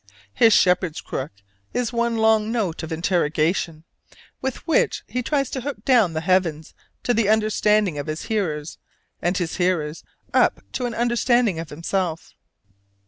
His shepherd's crook is one long note of interrogation, with which he tries to hook down the heavens to the understanding of his hearers, and his hearers up to an understanding of himself.